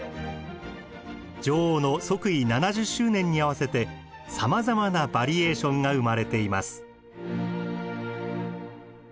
女王の即位７０周年に合わせてさまざまなバリエーションが生まれています。